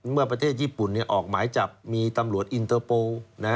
เมื่อประเทศญี่ปุ่นออกหมายจับมีตำรวจอินเตอร์โปร์